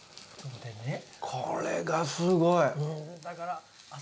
これがすごい！